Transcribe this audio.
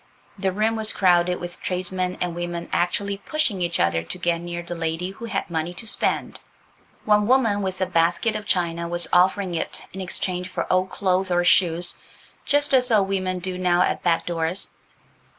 The room was crowded with tradesmen and women actually pushing each other to get near the lady who had money to spend. One woman with a basket of china was offering it in exchange for old clothes or shoes, just as old women do now at back doors.